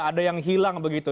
ada yang hilang begitu